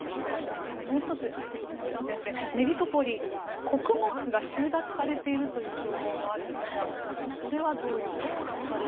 それからもう１つ東野先生、メリトポリ穀物が収奪されているという情報もあるんですがこれはどういうことなんでしょうか。